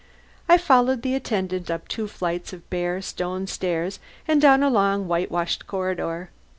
I followed the attendant up two flights of bare, stone stairs, and down a long, whitewashed corridor.